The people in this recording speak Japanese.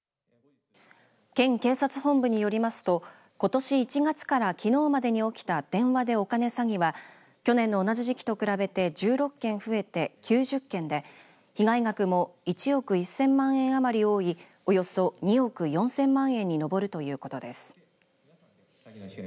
県警察本部によりますとことし１月から、きのうまでに起きた電話でお金詐欺は去年の同じ時期と比べて１６件増えて９０件で、被害額も１億１０００万円余り多いおよそ２億４０００万円に上るということです。